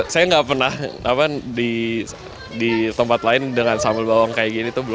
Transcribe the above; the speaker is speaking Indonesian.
saya nggak pernah di tempat lain dengan sambal bawang kayak gini tuh belum